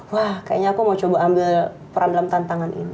wah kayaknya aku mau coba ambil peran dalam tantangan ini